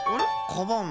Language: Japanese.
カバン。